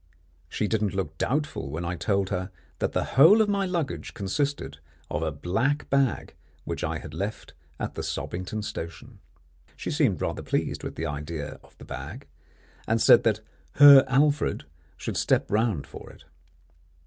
She didn't look doubtful when I told her that the whole of my luggage consisted of a black bag which I had left at the Sobbington Station. She seemed rather pleased with the idea of the bag, and said that her Alfred should step round for it.